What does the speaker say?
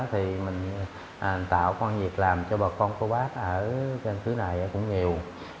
thì mình tạo con việc làm cho bà con cô bác ở trên thứ này cũng nhiều